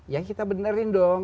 ya kita benerin dong